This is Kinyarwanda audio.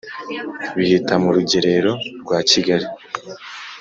bihita mu rugerero rwa kigali